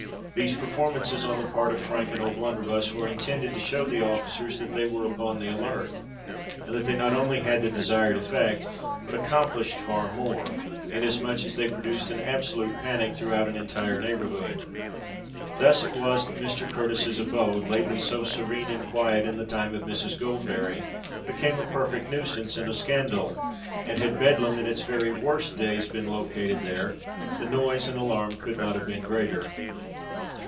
These performances on the part of Frank and O'Blunderbuss were intended to show the officers that they were upon the alert; and they not only had the desired effect, but accomplished far more—inasmuch as they produced an absolute panic throughout an entire neighbourhood. Thus it was that Mr. Curtis's abode—lately so serene and quiet in the time of Mrs. Goldberry—became a perfect nuisance and a scandal; and had Bedlam in its very worst days been located there, the noise and alarm could not have been greater.